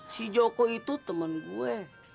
si joko itu temen gue